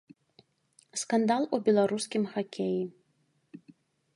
Скандал у беларускім хакеі.